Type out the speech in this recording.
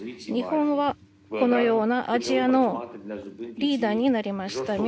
日本はこのようなアジアのリーダーになりました。